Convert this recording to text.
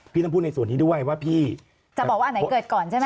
ต้องพูดในส่วนนี้ด้วยว่าพี่จะบอกว่าอันไหนเกิดก่อนใช่ไหม